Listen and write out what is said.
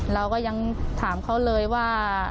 เราก็ยังถามเขาเลยว่า